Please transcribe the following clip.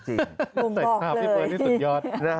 ใส่ภาพพี่เต้นที่สุดยอด